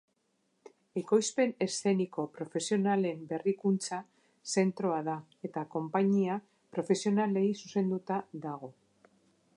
Ekoizpen eszeniko profesionalen berrikuntza zentroa da, eta konpainia profesionalei zuzenduta dago.